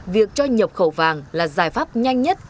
việc cho nhập khẩu vàng là giải pháp nhanh nhất